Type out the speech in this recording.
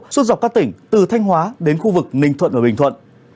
suốt dọc các tỉnh từ thanh hóa đến khu vực ninh thuận và bình thuận